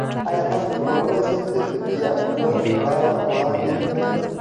ایا تاسو کولی شئ د طبیعت ښه لار وړاندیز کړئ؟